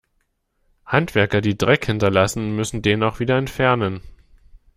Handwerker, die Dreck hinterlassen, müssen den auch wieder entfernen.